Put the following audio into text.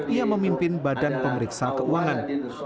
ia memimpin badan pemeriksa keuangan